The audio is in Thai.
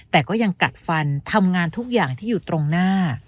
แต่ก็ยังกัดฟันทำงานทุกอย่างที่อยู่ตรงหน้า